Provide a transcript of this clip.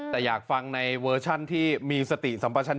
แต่อยากฟังในเวอร์ชันที่มีสติสัมปชัน